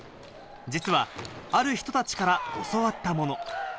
実は、ある人たちから教わったもの。